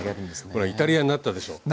ほらイタリアになったでしょう？